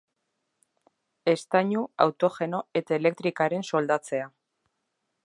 Eztainu, autogeno eta elektrikaren soldatzea.